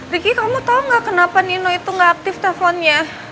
ricky kamu tahu nggak kenapa nino itu nggak aktif teleponnya